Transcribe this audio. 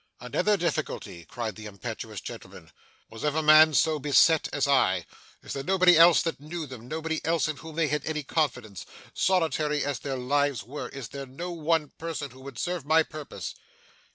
'Another difficulty!' cried the impetuous gentleman. 'Was ever man so beset as I? Is there nobody else that knew them, nobody else in whom they had any confidence? Solitary as their lives were, is there no one person who would serve my purpose?